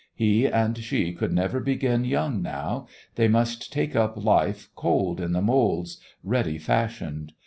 He and she could never begin young now. They must take up life cold in the moulds, ready fashioned.